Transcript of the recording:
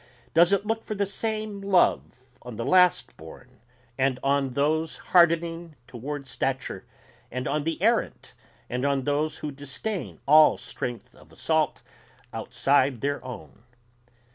Does it look for the same love on the last born and on those hardening toward stature, and on the errant, and on those who disdain all strength of assault outside their own?